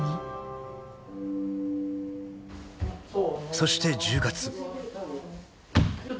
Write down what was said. ［そして１０月］